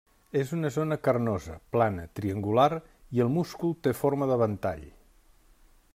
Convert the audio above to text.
És una zona carnosa, plana, triangular, i el múscul té forma de ventall.